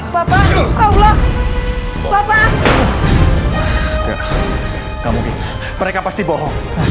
bapak allah bapak kamu bisa mereka pasti bohong